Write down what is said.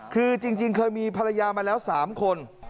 คือจริงเคยมีภรรยามาแล้ว๓คน